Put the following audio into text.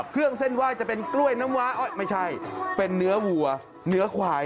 เครื่องเส้นไหว้จะเป็นกล้วยน้ำว้ายไม่ใช่เป็นเนื้อวัวเนื้อควาย